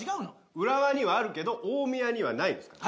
浦和にはあるけど大宮にはないですからね。